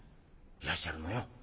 いらっしゃるのよ。